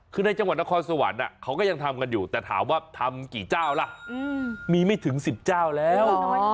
คือในจังหวัดนครสวรรค์เขาก็ยังทำกันอยู่แต่ถามว่าทำกี่เจ้าล่ะมีไม่ถึง๑๐เจ้าแล้ว